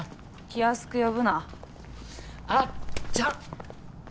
気安く呼ぶなあっちゃん！